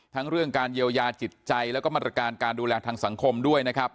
เรื่องการเยียวยาจิตใจแล้วก็มาตรการการดูแลทางสังคมด้วยนะครับ